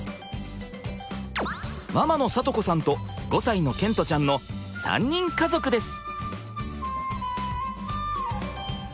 ママの恵子さんと５歳の賢澄ちゃんの３人家族です。